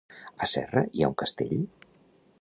A Serra hi ha un castell?